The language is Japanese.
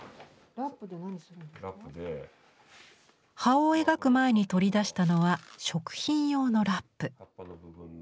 葉を描く前に取り出したのは食品用のラップ。